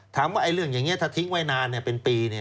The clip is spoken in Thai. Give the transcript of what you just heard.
ถามว่าเรื่องอย่างนี้ถ้าทิ้งไว้นานเป็นปี